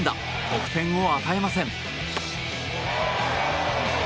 得点を与えません。